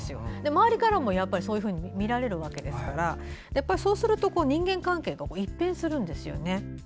周りからもそういうふうに見られるわけですからそうすると人間関係が一変するんですよね。